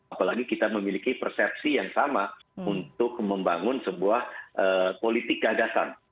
apalagi kita memiliki persepsi yang sama untuk membangun sebuah politik gagasan